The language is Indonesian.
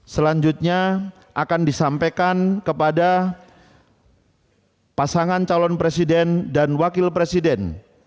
selanjutnya akan disampaikan kepada pasangan calon presiden dan wakil presiden